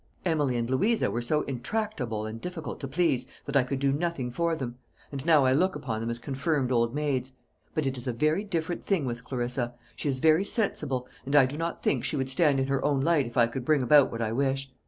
"Emily and Louisa were so intractable and difficult to please, that I could do nothing for them; and now I look upon them as confirmed old maids. But it is a different thing with Clarissa. She is very sensible; and I do not think she would stand in her own light if I could bring about what I wish.